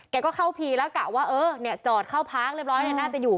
แกก็เข้าพีแล้วกะว่าเอ่อจอดเข้าพลักษณ์เรียบร้อยแกน่าจะอยู่